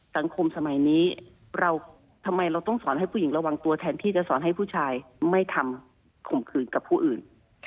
สังคมสมัยนี้เราทำไมเราต้องสอนให้ผู้หญิงระวังตัวแทนที่จะสอนให้ผู้ชายไม่ทำข่มขืนกับผู้อื่น